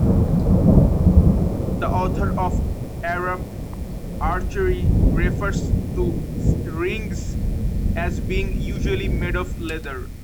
The author of "Arab Archery" refers to rings as being usually made of leather.